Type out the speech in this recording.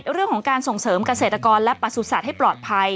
เรื่องของการส่งเสริมเกษตรกรและประสุทธิ์ให้ปลอดภัย